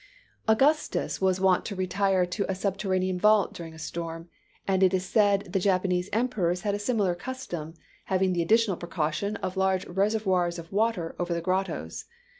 Augustus was wont to retire to a subterranean vault during a storm, and it is said the Japanese emperors had a similar custom, having the additional precaution of large reservoirs of water over the grottos.